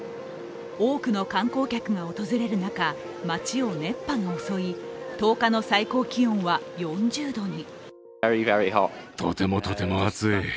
多くの観光客が訪れる中街を熱波が襲い１０日の最高気温は４０度に。